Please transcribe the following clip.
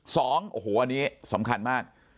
สองโอ้โหอันนี้สำคัญมาก